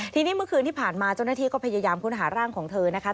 ทีนี้เมื่อคืนที่ผ่านมาเจ้าหน้าที่ก็พยายามค้นหาร่างของเธอนะคะ